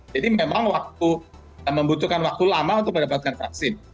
jadi memang waktu membutuhkan waktu lama untuk mendapatkan vaksin